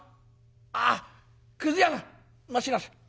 ああっくず屋さん待ちなさい。